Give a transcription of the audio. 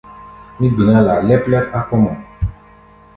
Mí gbiná laa lɛ́p-lɛ́p á kɔ̧́ mɔ.